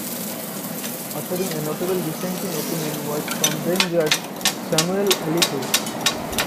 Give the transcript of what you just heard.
Authoring a notable dissenting opinion was from then-Judge Samuel Alito.